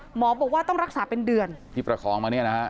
หมอบอกว่าต้องรักษาเป็นเดือนที่ประคองมาเนี่ยนะฮะ